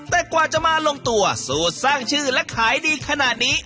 แต่กว่าจะมาลงตัวสูตรสร้างชื่อและขายดีขนาดนี้